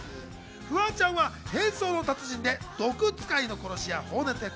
フワちゃんは変装の達人で毒使いの殺し屋・ホーネット役。